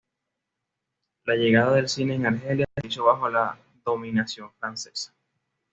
La llegada del cine en Argelia se hizo bajo la dominación francesa.